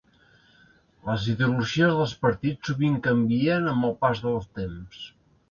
Les ideologies dels partits sovint canvien amb el pas del temps.